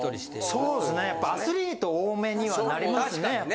そうですねやっぱアスリート多めにはなりますね。